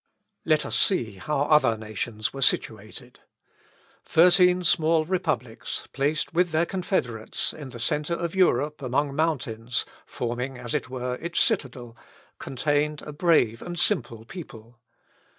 Let us see how other nations were situated. Thirteen small republics, placed with their confederates in the centre of Europe among mountains, forming, as it were, its citadel, contained a brave and simple people.